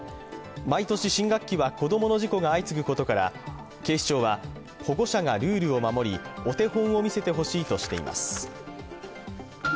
毎年、新学期は子供の事故が相次ぐことから警視庁は保護者がルールを守り、お手本を見せてほしいとしています。